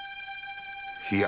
いや。